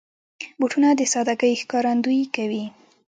بوټونه د سادګۍ ښکارندويي کوي.